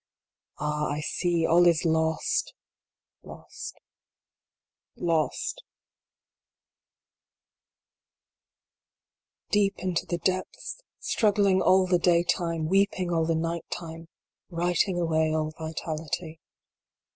Ah, I see, all is lost lost lost ! IIL Deep into the depths ! Struggling all the day time weeping all the night time ! Writing away all vitality.